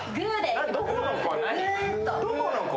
どこの子？